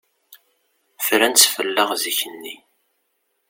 Fran-tt fell-aɣ zik-nni.